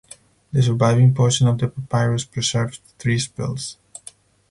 The surviving portion of the papyrus preserves three spells.